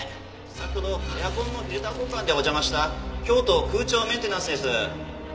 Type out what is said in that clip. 先ほどエアコンのフィルター交換でお邪魔した京都空調メンテナンスです。